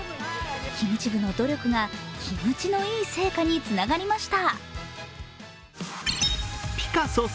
キムチ部の努力がキムチのいい成果につながりました。